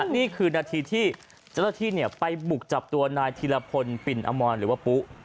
นี่คือนาทีที่จะไปบุกจับตัวนายธีรพลปินอำมวลหรือว่าปุ๊